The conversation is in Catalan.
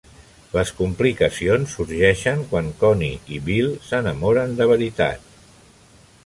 Les complicacions sorgeixen quan Connie i Bill s'enamoren de veritat.